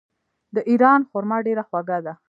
د ایران خرما ډیره خوږه ده.